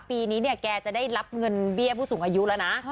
ปีนี้เนี่ยแกจะได้รับเงินเบี้ยผู้สูงอายุแล้วนะ